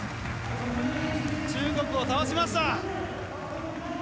中国を倒しました。